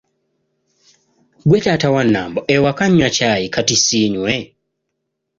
Gwe taata wa Nambo ewaka nywa caayi kati siinywe?”